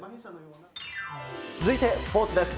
続いて、スポーツです。